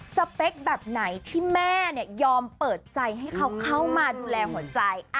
สเปคแบบไหนที่แม่ยอมเปิดใจให้เขาเข้ามาดูแลหัวใจ